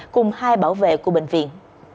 cùng hai bảo vệ của bệnh viện